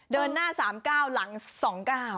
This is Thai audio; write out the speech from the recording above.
เดินหน้า๓ก้าวหลัง๒ก้าว